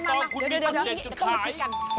นี่เราต้องมาคิดกัน